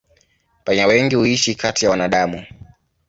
Panya wengi huishi kati ya wanadamu.